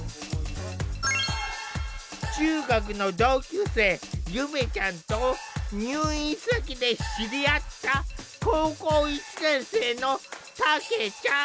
中学の同級生ゆめちゃんと入院先で知り合った高校１年生のたけちゃん。